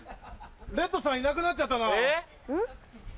レッドさんいなくなっちゃったな。